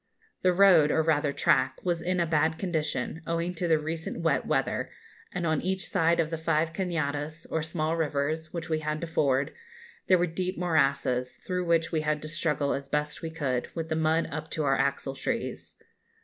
The road, or rather track, was in a bad condition, owing to the recent wet weather, and on each side of the five cañadas, or small rivers, which we had to ford, there were deep morasses, through which we had to struggle as best we could, with the mud up to our axletrees.